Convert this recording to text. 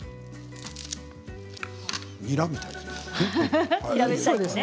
にらみたいですね。